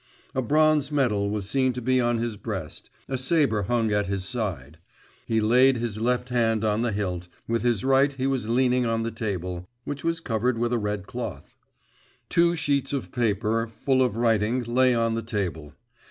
A bronze medal was to be seen on his breast, a sabre hung at his side; he laid his left hand on the hilt, with his right he was leaning on the table, which was covered with a red cloth. Two sheets of paper, full of writing, lay on the table.